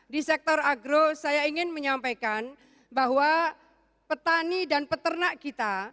di sektor agro saya ingin menyampaikan bahwa petani dan peternak kita